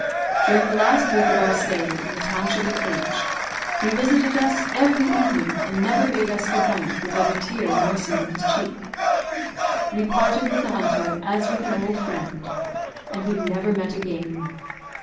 During the last week of our stay in the township of H , he visited us every evening, and never bade us good night without a tear moistening his cheek. We parted with the hunter as with an old friend; and we never met again.